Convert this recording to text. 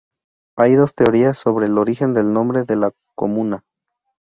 Hay dos teorías sobre el origen del nombre de la comuna.